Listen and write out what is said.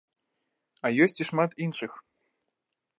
А ёсць і шмат іншых!